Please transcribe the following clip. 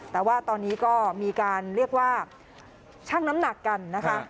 แต่ว่าตอนนี้ก็มีการเรียกว่าชั่งน้ำหนักกันนะคะ